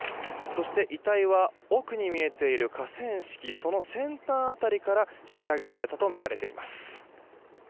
そして、遺体は奥に見えている河川敷その先端辺りから引き揚げられたとみられています。